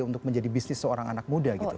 untuk menjadi bisnis seorang anak muda gitu